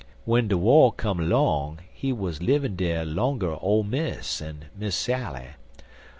When de war come long he wuz livin' dere longer Ole Miss en Miss Sally.